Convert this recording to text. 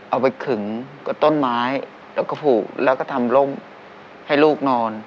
เอาไปขึงกับต้นไม้และกระพูและก็ทำลมให้ลูกนอน